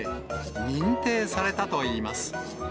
認定されたといいます。